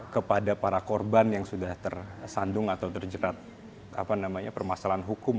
kepada para korban yang sudah tersandung atau terjerat permasalahan hukum